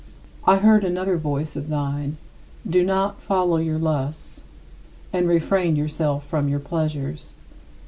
I heard another voice of thine: "Do not follow your lusts and refrain yourself from your pleasures."